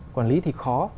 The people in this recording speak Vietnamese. quản lý thì khó